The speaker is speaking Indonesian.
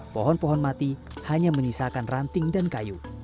pohon pohon mati hanya menyisakan ranting dan kayu